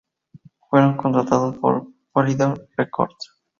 Fueron contratados por Polydor Records.